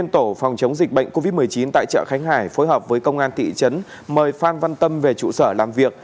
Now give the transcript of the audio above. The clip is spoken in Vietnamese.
một mươi chín tại chợ khánh hải phối hợp với công an thị trấn mời phan văn tâm về trụ sở làm việc